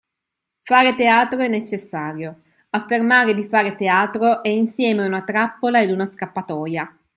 Fare teatro, è necessario. Affermare di fare teatro è insieme una trappola ed una scappatoia.